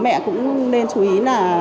bố mẹ cũng nên chú ý